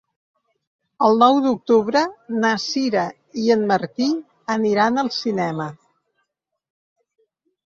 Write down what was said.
El nou d'octubre na Sira i en Martí aniran al cinema.